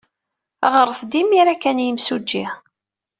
Ɣret-d imir-a kan i yimsujji.